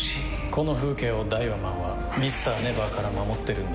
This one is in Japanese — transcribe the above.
この風景をダイワマンはＭｒ．ＮＥＶＥＲから守ってるんだ。